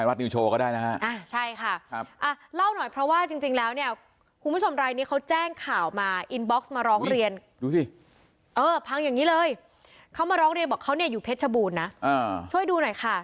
ลองบอกหน่อยคุณผู้ชมไลน์เจ้าเขาแจ้งข่าวมา